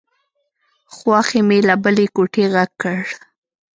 خواښې مې له بلې کوټې غږ کړ.